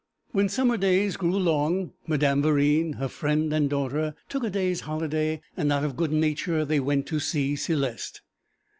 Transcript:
When summer days grew long, Madame Verine, her friend and daughter, took a day's holiday, and out of good nature they went to see Céleste.